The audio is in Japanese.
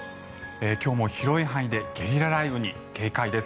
今日も広い範囲でゲリラ雷雨に警戒です。